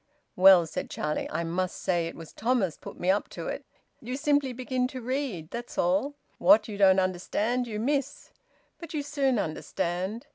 "Well," said Charlie, "I must say it was Thomas put me up to it. You simply begin to read, that's all. What you don't understand, you miss. But you soon understand.